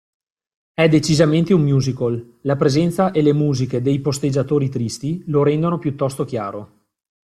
È decisamente un musical, la presenza e le musiche de "I posteggiatori tristi" lo rendono piuttosto chiaro.